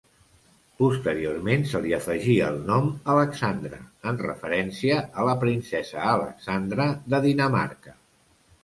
Posteriorment se li afegí el nom Alexandra, en referència a la princesa Alexandra de Dinamarca.